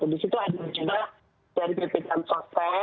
di situ ada juga dari ppkm sosial